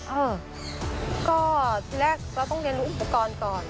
เออก็แรกเราต้องเรียนรู้อุปกรณ์ก่อน